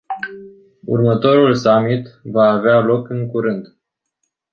Următorul summit va avea loc în curând.